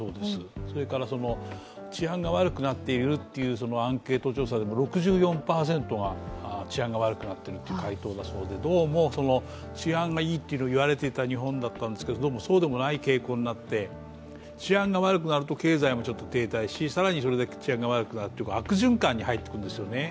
それから、治安が悪くなっているというアンケート調査、６４％が治安が悪くなっているという回答だそうでどうも治安がいいっていわれていた日本だったんですけどどうもそうでもない傾向になって治安が悪くなると経済も停滞し更にそれで治安が悪くなるという悪循環に入っていくんですよね。